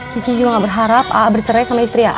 cici juga nggak berharap ak bercerai sama istri ak